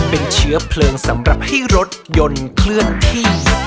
เป็นเชื้อเพลิงสำหรับให้รถยนต์เคลื่อนที่